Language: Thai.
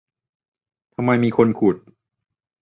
ทำไมมีคนขุด